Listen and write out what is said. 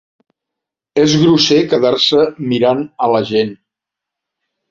És grosser quedar-se mirant a la gent.